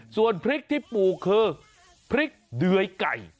ส่วนพริกที่ปลูกคือพริกเดือยไก่